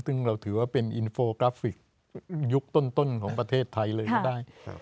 ซึ่งเราถือว่าเป็นอินโฟกราฟิกยุคต้นของประเทศไทยเลยก็ได้